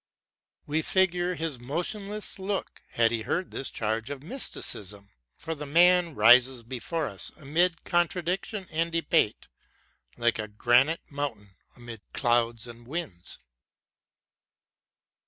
We figure his motionless look, had he heard this charge of mysticism ! For the man rises before us, amid contradiction and debate, like a granite mountain amid clouds and winds.